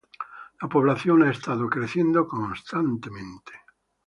La población ha estado creciendo constantemente.